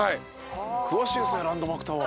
詳しいですねランドマークタワー。